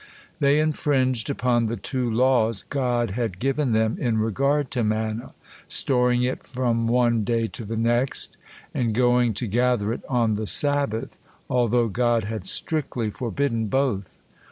They infringed upon the two laws God had given them in regard to manna, storing it from one day to the next, and going to gather it on the Sabbath, although God had strictly forbidden both.